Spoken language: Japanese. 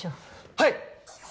はい。